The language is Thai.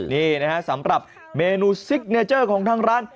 นี่นะฮะสำหรับเมนูซิกเนเจอร์ของทางร้าน